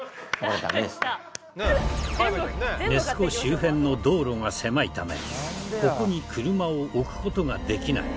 ネス湖周辺の道路が狭いためここに車を置く事ができない。